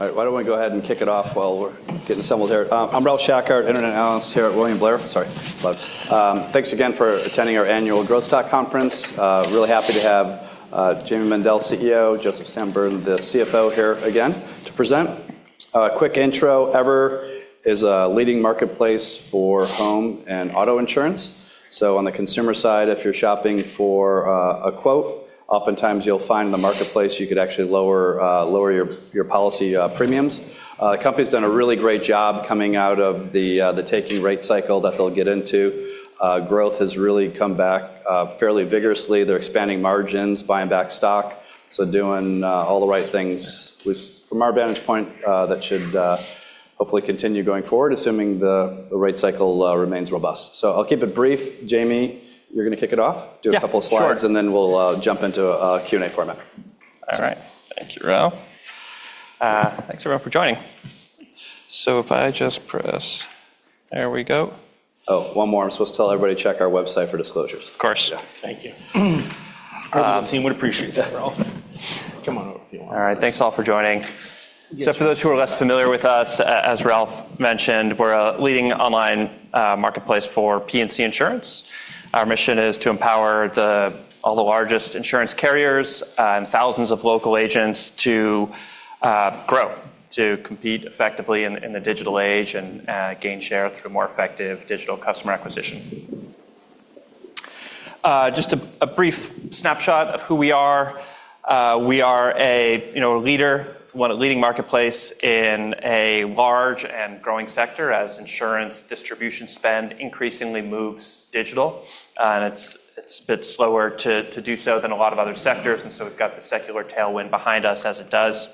I'm Ralph Schackart, internet analyst here at William Blair. Sorry. Thanks again for attending our annual growth stock conference. Really happy to have Jayme Mendal, CEO, Joseph Sanborn, the CFO here again to present. A quick intro. EverQuote is a leading marketplace for home and auto insurance. On the consumer side, if you're shopping for a quote, oftentimes you'll find in the marketplace you could actually lower your policy premiums. The company's done a really great job coming out of the hard rate cycle that they'll get into. Growth has really come back fairly vigorously. They're expanding margins, buying back stock. Doing all the right things. From our vantage point, that should hopefully continue going forward, assuming the rate cycle remains robust. I'll keep it brief. Jayme, you're going to kick it off. Yeah, sure. Do a couple of slides, and then we'll jump into a Q&A format. All right. Thank you, Ralph. Thanks, everyone, for joining. If I just press. There we go. One more. I'm supposed to tell everybody to check our website for disclosures. Of course. Yeah. Thank you. Our legal team would appreciate that, Ralph. Come on over if you want. All right. Thanks, all, for joining. For those who are less familiar with us, as Ralph mentioned, we're a leading online marketplace for P&C insurance. Our mission is to empower all the largest insurance carriers and thousands of local agents to grow, to compete effectively in the digital age, and gain share through more effective digital customer acquisition. Just a brief snapshot of who we are. We are a leading marketplace in a large and growing sector as insurance distribution spend increasingly moves digital. It's a bit slower to do so than a lot of other sectors, and so we've got the secular tailwind behind us as it does.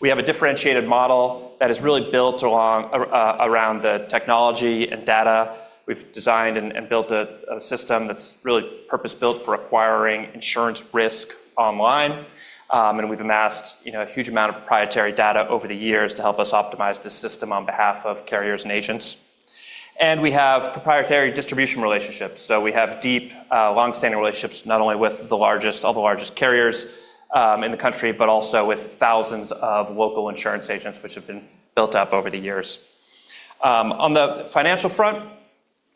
We have a differentiated model that is really built around the technology and data. We've designed and built a system that's really purpose-built for acquiring insurance risk online. We've amassed a huge amount of proprietary data over the years to help us optimize this system on behalf of carriers and agents. We have proprietary distribution relationships. We have deep, long-standing relationships, not only with all the largest carriers in the country, but also with thousands of local insurance agents, which have been built up over the years. On the financial front,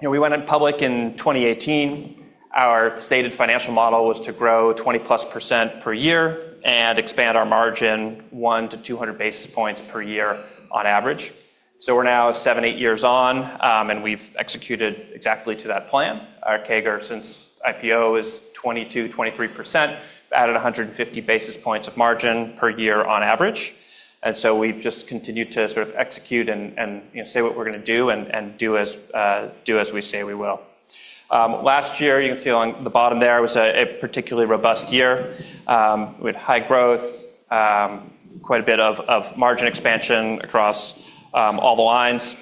we went public in 2018. Our stated financial model was to grow 20%+ per year and expand our margin one to 200 basis points per year on average. We're now seven, eight years on, and we've executed exactly to that plan. Our CAGR since IPO is 22%, 23%, added 150 basis points of margin per year on average. We've just continued to sort of execute and say what we're going to do and do as we say we will. Last year, you can see on the bottom there, was a particularly robust year with high growth, quite a bit of margin expansion across all the lines,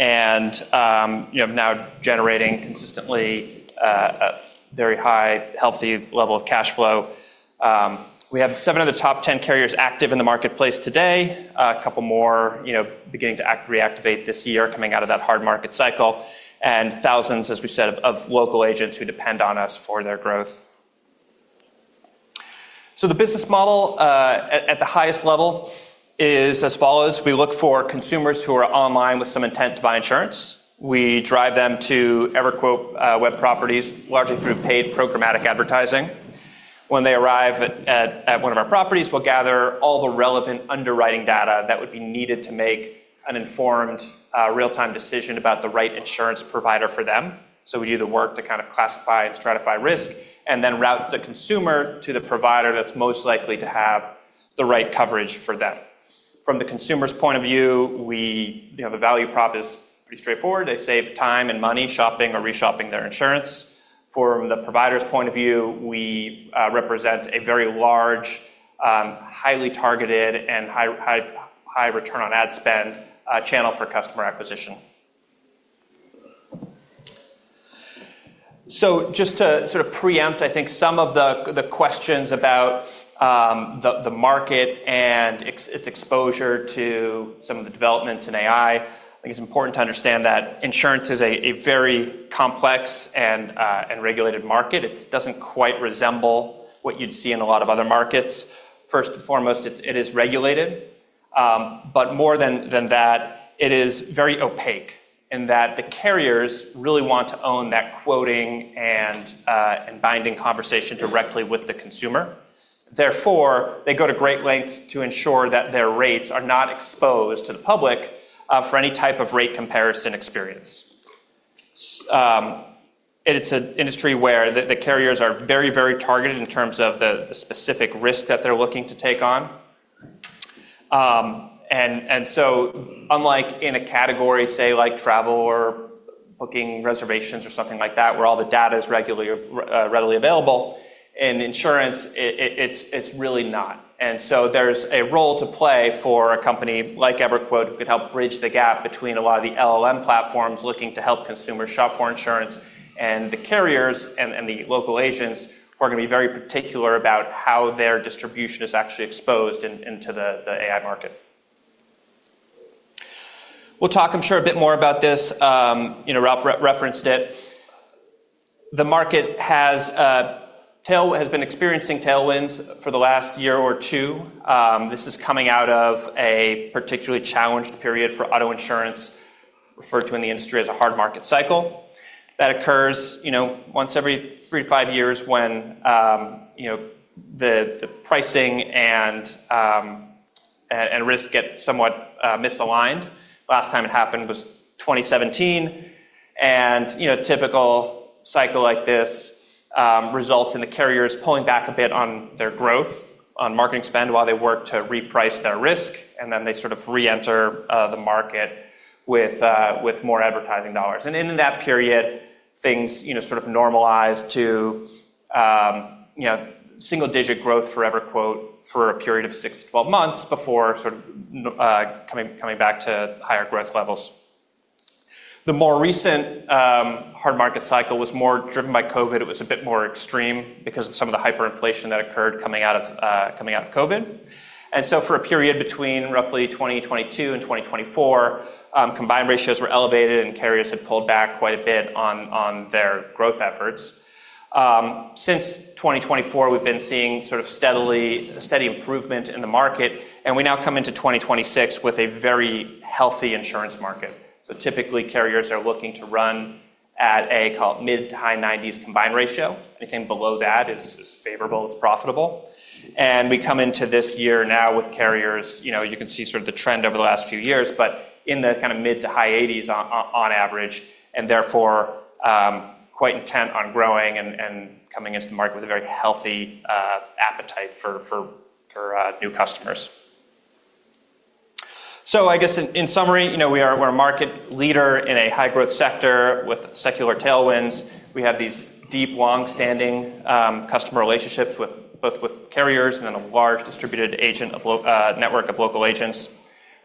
and now generating consistently a very high, healthy level of cash flow. We have seven of the top ten carriers active in the marketplace today. A couple more beginning to reactivate this year coming out of that hard market cycle, and thousands, as we said, of local agents who depend on us for their growth. The business model at the highest level is as follows. We look for consumers who are online with some intent to buy insurance. We drive them to EverQuote web properties, largely through paid programmatic advertising. When they arrive at one of our properties, we'll gather all the relevant underwriting data that would be needed to make an informed real-time decision about the right insurance provider for them. We do the work to kind of classify and stratify risk, and then route the consumer to the provider that's most likely to have the right coverage for them. From the consumer's point of view, the value prop is pretty straightforward. They save time and money shopping or reshopping their insurance. From the provider's point of view, we represent a very large, highly targeted, and high return on ad spend channel for customer acquisition. Just to sort of preempt, I think, some of the questions about the market and its exposure to some of the developments in AI, I think it's important to understand that insurance is a very complex and regulated market. It doesn't quite resemble what you'd see in a lot of other markets. First and foremost, it is regulated. More than that, it is very opaque in that the carriers really want to own that quoting and binding conversation directly with the consumer. Therefore, they go to great lengths to ensure that their rates are not exposed to the public for any type of rate comparison experience. It's an industry where the carriers are very, very targeted in terms of the specific risk that they're looking to take on. Unlike in a category, say, like travel or booking reservations or something like that, where all the data is readily available, in insurance, it's really not. There's a role to play for a company like EverQuote who could help bridge the gap between a lot of the LLM platforms looking to help consumers shop for insurance and the carriers and the local agents who are going to be very particular about how their distribution is actually exposed into the AI market. We'll talk, I'm sure, a bit more about this. Ralph referenced it. The market has been experiencing tailwinds for the last year or two. This is coming out of a particularly challenged period for auto insurance, referred to in the industry as a hard market cycle, that occurs once every three to five years when the pricing and risk get somewhat misaligned. Last time it happened was 2017. A typical cycle like this results in the carriers pulling back a bit on their growth, on marketing spend, while they work to reprice their risk, then they sort of re-enter the market with more advertising dollars. In that period, things sort of normalize to single-digit growth for EverQuote for a period of 6-12 months before sort of coming back to higher growth levels. The more recent hard market cycle was more driven by COVID. It was a bit more extreme because of some of the hyperinflation that occurred coming out of COVID. For a period between roughly 2022 and 2024, combined ratios were elevated, and carriers had pulled back quite a bit on their growth efforts. Since 2024, we've been seeing sort of steady improvement in the market, we now come into 2026 with a very healthy insurance market. Typically, carriers are looking to run at a mid to high 90s combined ratio. Anything below that is favorable, it's profitable. We come into this year now with carriers, you can see sort of the trend over the last few years, but in the kind of mid to high 80s on average, and therefore, quite intent on growing and coming into the market with a very healthy appetite for new customers. I guess in summary, we're a market leader in a high-growth sector with secular tailwinds. We have these deep, long-standing customer relationships, both with carriers and then a large distributed network of local agents.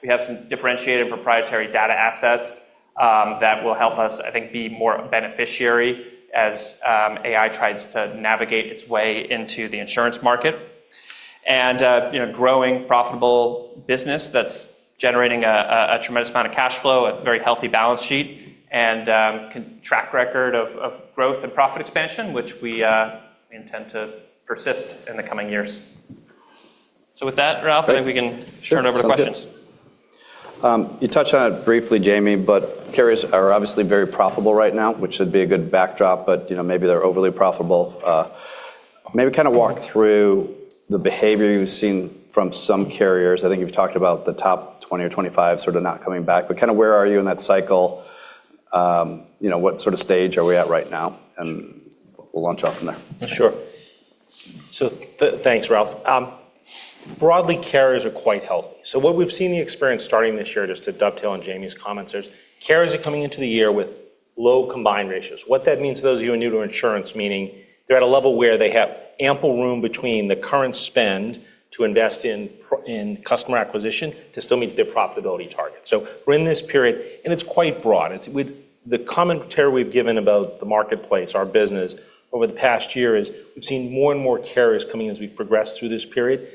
We have some differentiated proprietary data assets that will help us, I think, be more a beneficiary as AI tries to navigate its way into the insurance market. Growing profitable business that's generating a tremendous amount of cash flow, a very healthy balance sheet, and track record of growth and profit expansion, which we intend to persist in the coming years. With that, Ralph, maybe we can turn over to questions. Sounds good. You touched on it briefly, Jayme, carriers are obviously very profitable right now, which would be a good backdrop, maybe they're overly profitable. Maybe kind of walk through the behavior you've seen from some carriers. I think you've talked about the top 20 or 25 sort of not coming back, kind of where are you in that cycle? What sort of stage are we at right now? We'll launch off from there. Sure. Thanks, Ralph. Broadly, carriers are quite healthy. What we've seen the experience starting this year, just to dovetail on Jayme's comments, carriers are coming into the year with low combined ratios. What that means for those of you who are new to insurance, meaning they're at a level where they have ample room between the current spend to invest in customer acquisition to still meet their profitability target. We're in this period, and it's quite broad. The commentary we've given about the marketplace, our business, over the past year is we've seen more and more carriers coming as we've progressed through this period.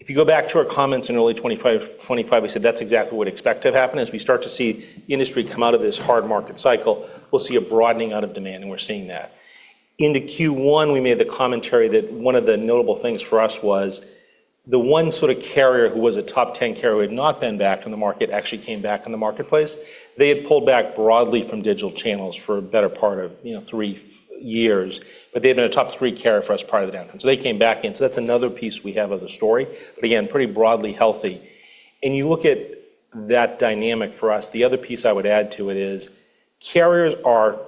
If you go back to our comments in early 2025, we said that's exactly what we expect to happen. As we start to see the industry come out of this hard market cycle, we'll see a broadening out of demand, and we're seeing that. Into Q1, we made the commentary that one of the notable things for us was the one sort of carrier who was a top 10 carrier who had not been back in the market actually came back in the marketplace. They had pulled back broadly from digital channels for a better part of three years, but they had been a top three carrier for us prior to the downtime. They came back in. That's another piece we have of the story. Again, pretty broadly healthy. You look at that dynamic for us, the other piece I would add to it is, carriers are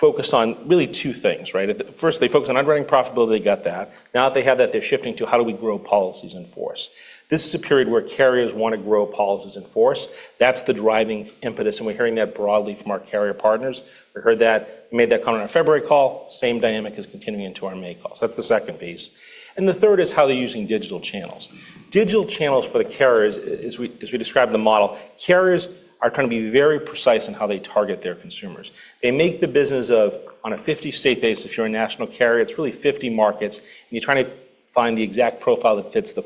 focused on really two things, right? First, they focus on underwriting profitability. They got that. Now that they have that, they're shifting to how do we grow policies in force? This is a period where carriers want to grow policies in force. That's the driving impetus. We're hearing that broadly from our carrier partners. We heard that, made that comment on our February call. Same dynamic is continuing into our May calls. That's the second piece. The third is how they're using digital channels. Digital channels for the carriers, as we describe the model, carriers are trying to be very precise in how they target their consumers. They make the business of on a 50 state base, if you're a national carrier, it's really 50 markets. You're trying to find the exact profile that fits the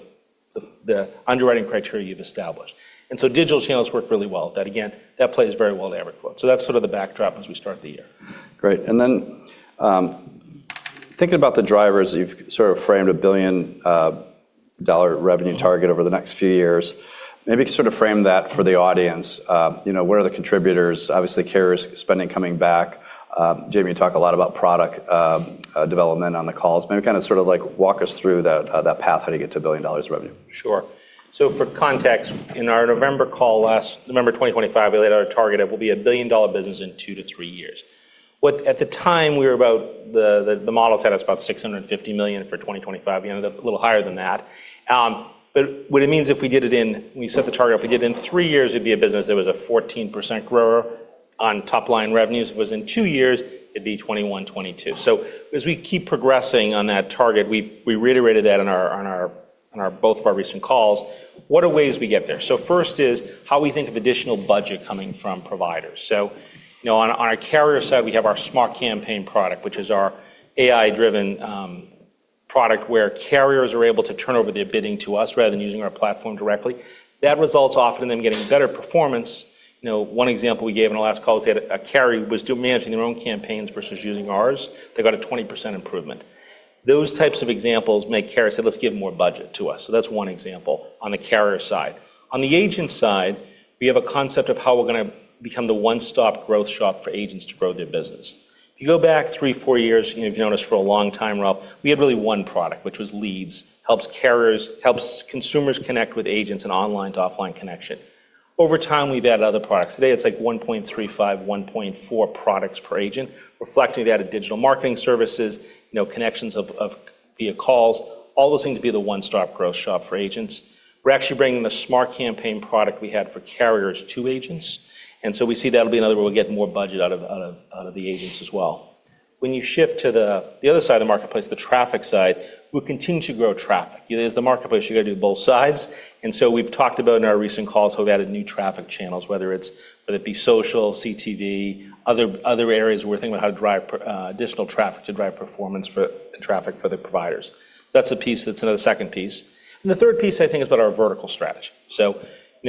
underwriting criteria you've established. Digital channels work really well. That again, that plays very well to EverQuote. That's sort of the backdrop as we start the year. Great. Then, thinking about the drivers, you've sort of framed a billion-dollar revenue target over the next few years. Maybe sort of frame that for the audience. What are the contributors? Obviously, carriers spending coming back. Jayme, you talk a lot about product development on the calls. Maybe kind of walk us through that path, how do you get to $1 billion revenue? Sure. For context, in our November call last, November 2025, we laid out a target of we'll be a billion-dollar business in two to three years. At the time, the model set us about $650 million for 2025. We ended up a little higher than that. What it means, when you set the target, if we did it in three years, it'd be a business that was a 14% grower on top line revenues. If it was in two years, it'd be 21%, 22%. As we keep progressing on that target, we reiterated that on both of our recent calls. What are ways we get there? First is how we think of additional budget coming from providers. On our carrier side, we have our Smart Campaigns product, which is our AI-driven. product where carriers are able to turn over their bidding to us rather than using our platform directly. That results often in them getting better performance. One example we gave in the last call was they had a carrier who was still managing their own campaigns versus using ours. They got a 20% improvement. Those types of examples make carriers say, "Let's give more budget to us." That's one example on the carrier side. On the agent side, we have a concept of how we're going to become the one-stop growth shop for agents to grow their business. If you go back three, four years, you've known us for a long time, Ralph, we had really one product, which was leads. Helps consumers connect with agents, an online to offline connection. Over time, we've added other products. Today, it's like 1.35, 1.4 products per agent, reflecting we've added digital marketing services, connections via calls, all those things to be the one-stop growth shop for agents. We're actually bringing the Smart Campaigns product we had for carriers to agents. We see that'll be another way we'll get more budget out of the agents as well. When you shift to the other side of the marketplace, the traffic side, we'll continue to grow traffic. As the marketplace, you've got to do both sides. We've talked about in our recent calls how we've added new traffic channels, whether it be social, CTV, other areas where we're thinking about how to drive additional traffic to drive performance for the traffic for the providers. That's a piece that's another second piece. The third piece, I think, is about our vertical strategy.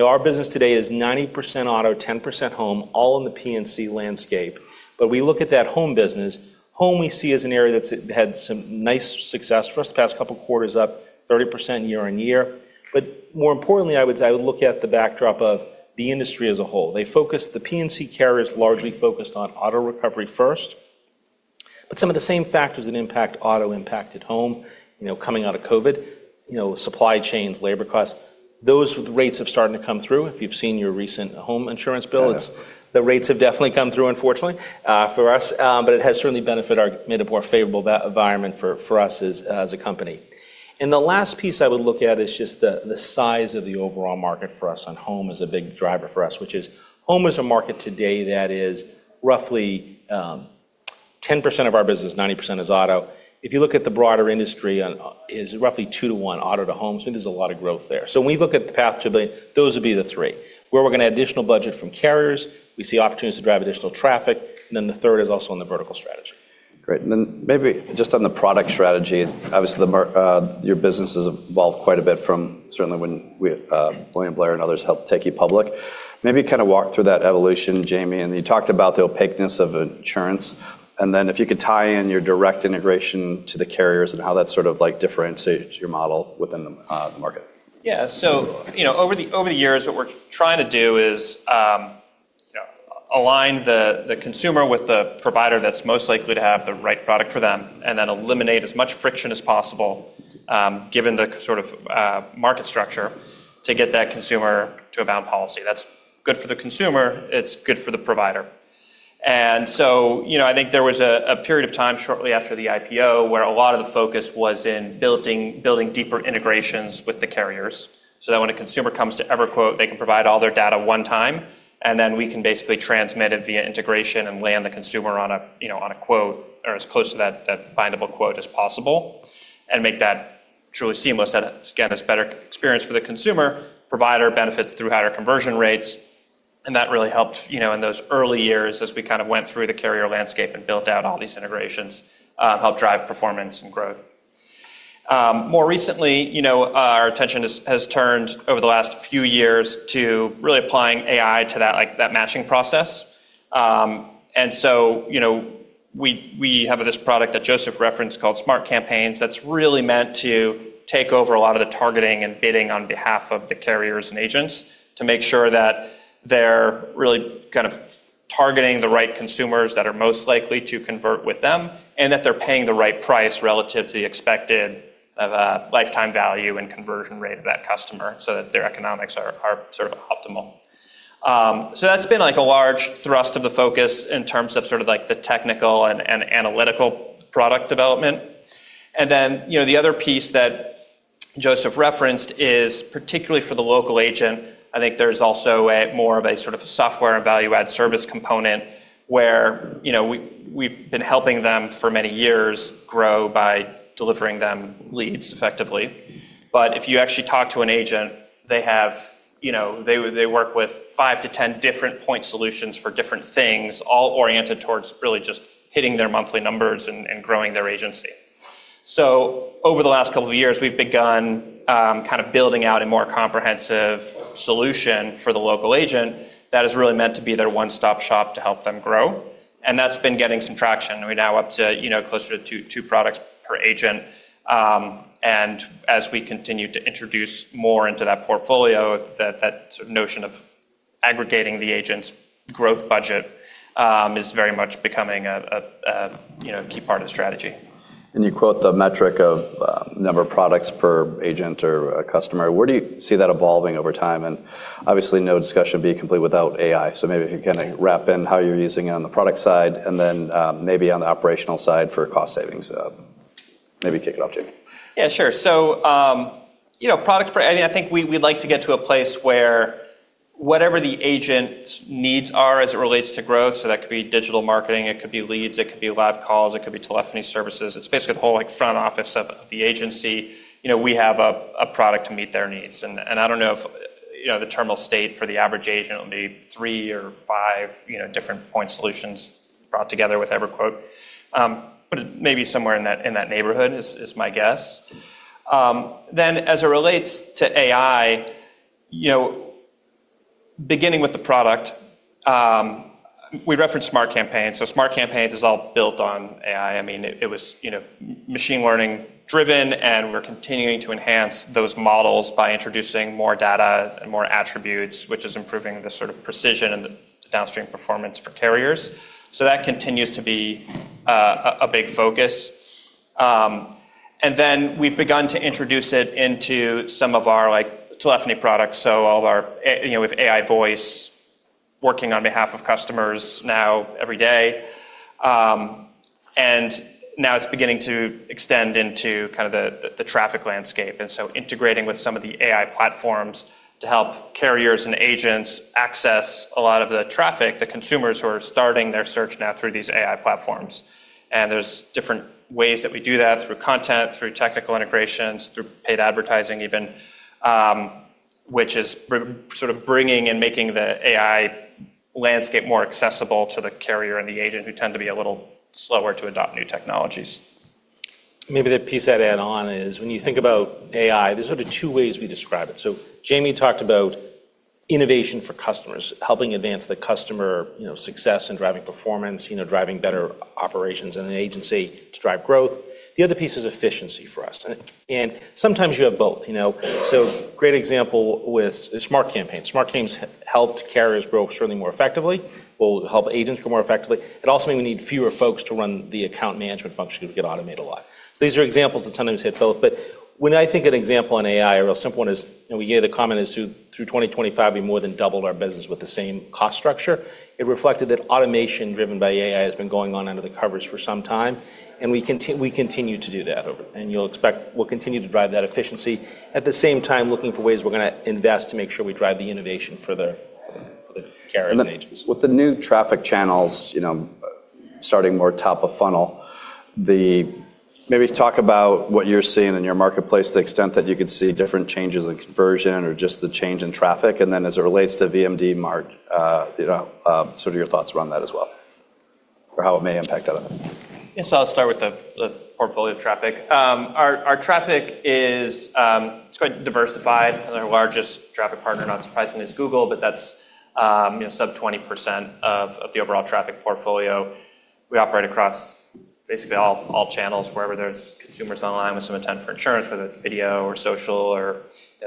Our business today is 90% auto, 10% home, all in the P&C landscape. We look at that home business. Home we see as an area that's had some nice success for us the past couple of quarters, up 30% year-over-year. More importantly, I would say I would look at the backdrop of the industry as a whole. The P&C carrier is largely focused on auto recovery first, but some of the same factors that impact auto impacted home, coming out of COVID, supply chains, labor costs. Those rates have started to come through. If you've seen your recent home insurance bills. Yeah. The rates have definitely come through, unfortunately for us. It has certainly made a more favorable environment for us as a company. The last piece I would look at is just the size of the overall market for us, and home is a big driver for us, which is home is a market today that is roughly 10% of our business. 90% is auto. If you look at the broader industry, it's roughly two to one auto to home, so there's a lot of growth there. When we look at the path to billion, those would be the three. Where we're going to add additional budget from carriers. We see opportunities to drive additional traffic. The third is also on the vertical strategy. Great. Maybe just on the product strategy, obviously your business has evolved quite a bit from certainly when William Blair and others helped take you public. Maybe kind of walk through that evolution, Jayme, and you talked about the opaqueness of insurance. If you could tie in your direct integration to the carriers and how that sort of differentiates your model within the market. Yeah. Over the years, what we're trying to do is align the consumer with the provider that's most likely to have the right product for them and then eliminate as much friction as possible, given the sort of market structure to get that consumer to a bound policy. That's good for the consumer, it's good for the provider. I think there was a period of time shortly after the IPO where a lot of the focus was in building deeper integrations with the carriers, so that when a consumer comes to EverQuote, they can provide all their data one time, and then we can basically transmit it via integration and land the consumer on a quote or as close to that bindable quote as possible and make that truly seamless. Again, it's a better experience for the consumer, provider benefits through higher conversion rates, and that really helped in those early years as we kind of went through the carrier landscape and built out all these integrations, helped drive performance and growth. More recently, our attention has turned over the last few years to really applying AI to that matching process. We have this product that Joseph referenced called Smart Campaigns that's really meant to take over a lot of the targeting and bidding on behalf of the carriers and agents to make sure that they're really kind of targeting the right consumers that are most likely to convert with them, and that they're paying the right price relative to the expected of a lifetime value and conversion rate of that customer so that their economics are sort of optimal. That's been a large thrust of the focus in terms of sort of the technical and analytical product development. Then, the other piece that Joseph referenced is particularly for the local agent. I think there's also more of a sort of software and value-add service component where we've been helping them for many years grow by delivering them leads effectively. If you actually talk to an agent, they work with five to 10 different point solutions for different things, all oriented towards really just hitting their monthly numbers and growing their agency. Over the last couple of years, we've begun kind of building out a more comprehensive solution for the local agent that is really meant to be their one-stop shop to help them grow, and that's been getting some traction. We're now up to closer to two products per agent. As we continue to introduce more into that portfolio, that notion of aggregating the agent's growth budget is very much becoming a key part of the strategy. You quote the metric of number of products per agent or customer. Where do you see that evolving over time? Obviously no discussion would be complete without AI. Maybe if you can wrap in how you're using it on the product side and then maybe on the operational side for cost savings? Maybe kick it off, Jayme. Yeah, sure. I think we'd like to get to a place where whatever the agent needs are as it relates to growth, so that could be digital marketing, it could be leads, it could be live calls, it could be telephony services. It's basically the whole front office of the agency. We have a product to meet their needs. The terminal state for the average agent will be three or five different point solutions brought together with EverQuote. Maybe somewhere in that neighborhood is my guess. As it relates to AI, beginning with the product, we referenced Smart Campaigns. Smart Campaigns is all built on AI. It was machine learning driven, and we're continuing to enhance those models by introducing more data and more attributes, which is improving the sort of precision and the downstream performance for carriers. That continues to be a big focus. We've begun to introduce it into some of our telephony products. All of our, with AI voice working on behalf of customers now every day. It's beginning to extend into kind of the traffic landscape. Integrating with some of the AI platforms to help carriers and agents access a lot of the traffic, the consumers who are starting their search now through these AI platforms. There's different ways that we do that, through content, through technical integrations, through paid advertising even, which is sort of bringing and making the AI landscape more accessible to the carrier and the agent who tend to be a little slower to adopt new technologies. Maybe the piece I'd add on is when you think about AI, there's sort of two ways we describe it. Jayme talked about innovation for customers, helping advance the customer success and driving performance, driving better operations in an agency to drive growth. The other piece is efficiency for us. Sometimes you have both. Great example with Smart Campaigns. Smart Campaigns helped carriers grow certainly more effectively, will help agents grow more effectively. It also mean we need fewer folks to run the account management function because we get automate a lot. These are examples that sometimes hit both, but when I think an example on AI, a real simple one is, we gave the comment is through 2025, we more than doubled our business with the same cost structure. It reflected that automation driven by AI has been going on under the coverage for some time. We continue to do that. You'll expect we'll continue to drive that efficiency. At the same time, looking for ways we're going to invest to make sure we drive the innovation for the carriers and agents. With the new traffic channels, starting more top of funnel, maybe talk about what you're seeing in your marketplace to the extent that you could see different changes in conversion or just the change in traffic, and then as it relates to VMM, margin, sort of your thoughts around that as well, or how it may impact that. I'll start with the portfolio traffic. Our traffic, it's quite diversified, and our largest traffic partner, not surprisingly, is Google, but that's sub 20% of the overall traffic portfolio. We operate across basically all channels wherever there's consumers online with some intent for insurance, whether it's video or social or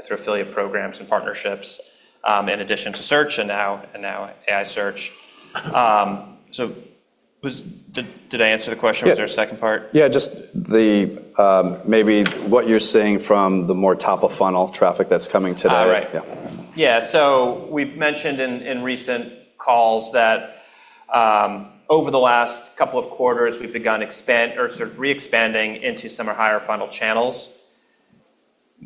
through affiliate programs and partnerships, in addition to search and now AI search. Did I answer the question? Yeah. Was there a second part? Yeah, just maybe what you're seeing from the more top of funnel traffic that's coming today. Right. Yeah. Yeah. We've mentioned in recent calls that over the last couple of quarters, we've begun re-expanding into some of our higher funnel channels.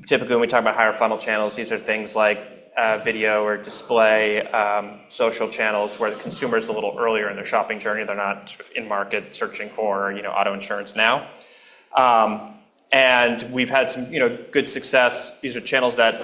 Typically, when we talk about higher funnel channels, these are things like video or display, social channels where the consumer's a little earlier in their shopping journey. They're not in market searching for auto insurance now. We've had some good success. These are channels that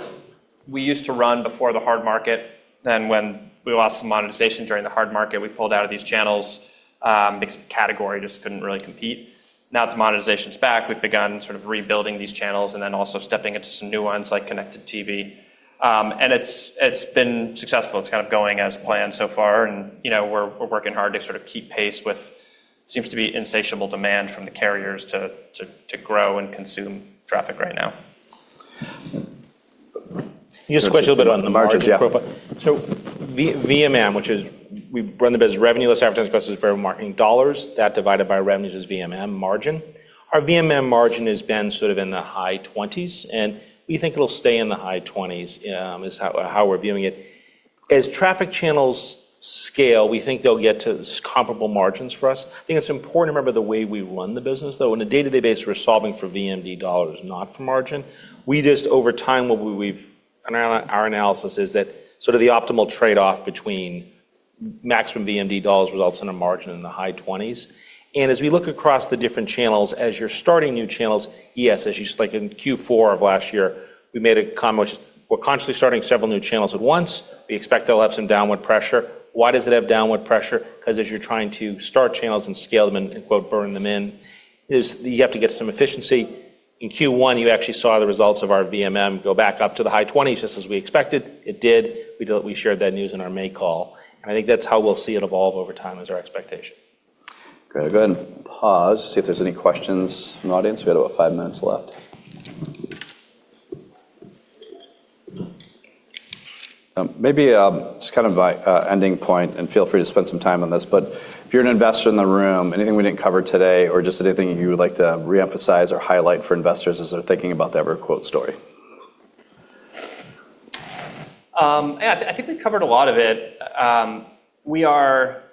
we used to run before the hard market. When we lost some monetization during the hard market, we pulled out of these channels, because the category just couldn't really compete. Now that the monetization's back, we've begun sort of rebuilding these channels and then also stepping into some new ones like connected TV. It's been successful. It's kind of going as planned so far and we're working hard to sort of keep pace with seems to be insatiable demand from the carriers to grow and consume traffic right now. Can you just touch a bit on the margin profile? Margin, yeah. VMM, which is we run the business revenue less advertising expenses for marketing dollars. That divided by revenues is VMM margin. Our VMM margin has been sort of in the high 20s, and we think it'll stay in the high 20s, is how we're viewing it. As traffic channels scale, we think they'll get to comparable margins for us. I think it's important to remember the way we run the business, though. On a day-to-day basis, we're solving for VMD dollars, not for margin. We just over time, what our analysis is that sort of the optimal trade-off between maximum VMD dollars results in a margin in the high 20s. As we look across the different channels, as you're starting new channels, yes, like in Q4 of last year, we made a comment, which we're consciously starting several new channels at once. We expect they'll have some downward pressure. Why does it have downward pressure? Because as you're trying to start channels and scale them and quote, "Burn them in," is you have to get some efficiency. In Q1, you actually saw the results of our VMM go back up to the high 20s, just as we expected. It did. We shared that news in our May call. I think that's how we'll see it evolve over time is our expectation. Great. Go ahead and pause, see if there's any questions from the audience. We've got about five minutes left. Maybe just kind of by ending point, and feel free to spend some time on this, but if you're an investor in the room, anything we didn't cover today or just anything you would like to reemphasize or highlight for investors as they're thinking about the EverQuote story? Yeah. I think we've covered a lot of it. We are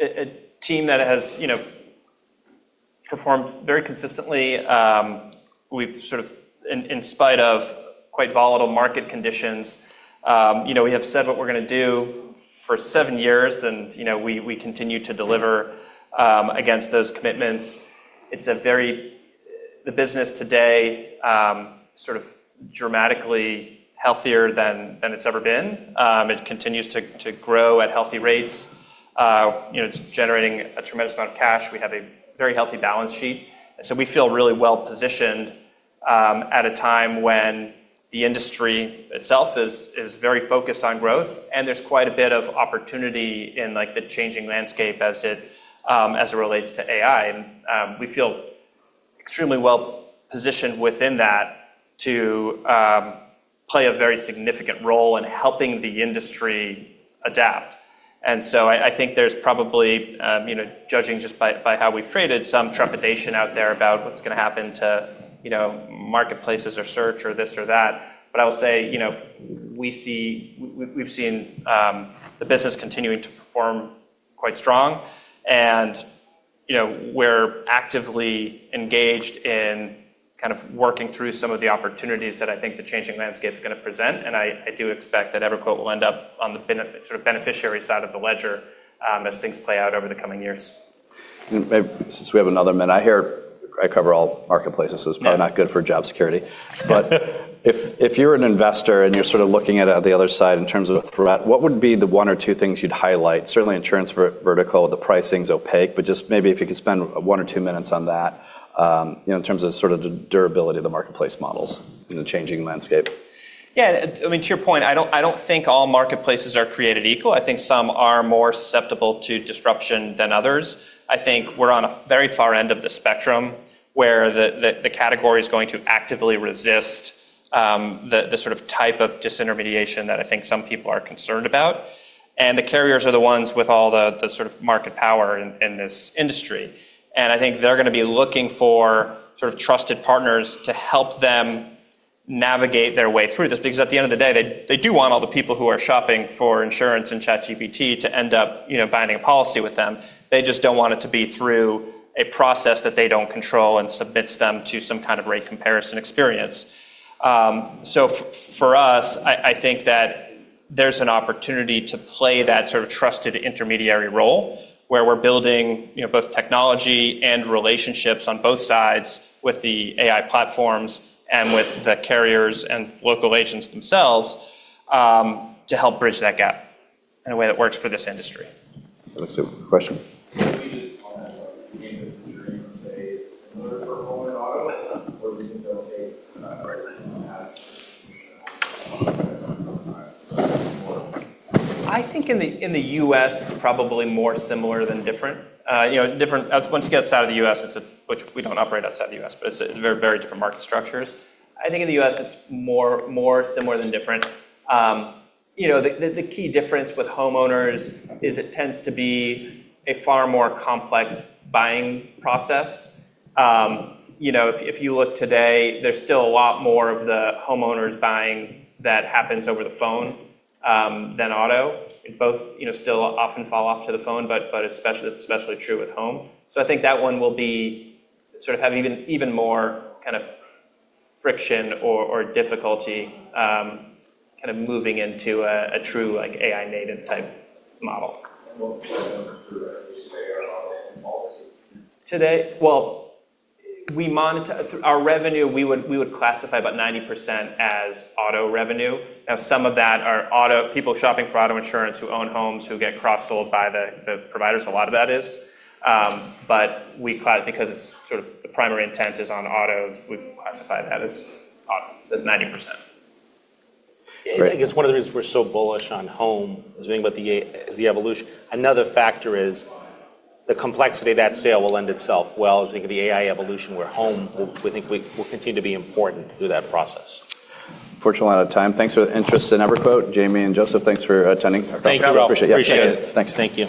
a team that has performed very consistently. In spite of quite volatile market conditions, we have said what we're going to do for seven years and we continue to deliver against those commitments. The business today is dramatically healthier than it's ever been. It continues to grow at healthy rates. It's generating a tremendous amount of cash. We have a very healthy balance sheet, so we feel really well-positioned at a time when the industry itself is very focused on growth, and there's quite a bit of opportunity in the changing landscape as it relates to AI. We feel extremely well-positioned within that to play a very significant role in helping the industry adapt. I think there's probably, judging just by how we've traded, some trepidation out there about what's going to happen to marketplaces or search or this or that. I will say, we've seen the business continuing to perform quite strong, and we're actively engaged in working through some of the opportunities that I think the changing landscape is going to present. I do expect that EverQuote will end up on the beneficiary side of the ledger as things play out over the coming years. Since we have another minute, I cover all marketplaces, it's probably not good for job security. If you're an investor and you're looking at it on the other side in terms of a threat, what would be the one or two things you'd highlight? Certainly, insurance vertical, the pricing's opaque, just maybe if you could spend one or two minutes on that, in terms of the durability of the marketplace models in the changing landscape. Yeah. To your point, I don't think all marketplaces are created equal. I think some are more susceptible to disruption than others. I think we're on a very far end of the spectrum where the category is going to actively resist the type of disintermediation that I think some people are concerned about. The carriers are the ones with all the market power in this industry, and I think they're going to be looking for trusted partners to help them navigate their way through this. At the end of the day, they do want all the people who are shopping for insurance in ChatGPT to end up buying a policy with them. They just don't want it to be through a process that they don't control and submits them to some kind of rate comparison experience. For us, I think that there's an opportunity to play that trusted intermediary role where we're building both technology and relationships on both sides with the AI platforms and with the carriers and local agents themselves, to help bridge that gap in a way that works for this industry. Alex, a question? Can I get you to comment on similar for home and auto, or do you anticipate I think in the U.S., it's probably more similar than different. Once you get outside of the U.S., which we don't operate outside the U.S., it's very different market structures. I think in the U.S. it's more similar than different. The key difference with homeowners is it tends to be a far more complex buying process. If you look today, there's still a lot more of the homeowners buying that happens over the phone than auto. Both still often fall off to the phone, it's especially true with home. I think that one will have even more friction or difficulty moving into a true AI native-type model. What percentage would you say are auto policies? Today, well, our revenue, we would classify about 90% as auto revenue. Some of that are people shopping for auto insurance who own homes who get cross-sold by the providers. Because the primary intent is on auto, we'd classify that as 90%. Great. I guess one of the reasons we're so bullish on home is really about the evolution. Another factor is the complexity of that sale will lend itself well to the AI evolution, where home, we think, will continue to be important through that process. Unfortunately, we're out of time. Thanks for the interest in EverQuote. Jayme and Joseph, thanks for attending. Thank you. Thanks, you all. Appreciate it. Thanks. Thank you.